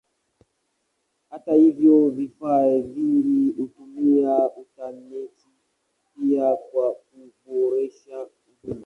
Hata hivyo vifaa vingi hutumia intaneti pia kwa kuboresha huduma.